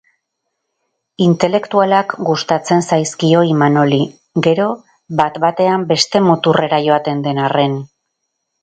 Intelektualak gustatzen zaizkio Imanoli, gero bat-batean beste muturrera joaten den arren.